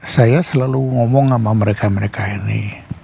saya selalu ngomong sama mereka mereka ini